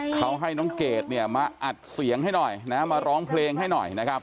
เขาให้น้องเกดเนี่ยมาอัดเสียงให้หน่อยนะมาร้องเพลงให้หน่อยนะครับ